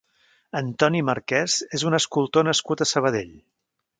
Antoni Marquès és un escultor nascut a Sabadell.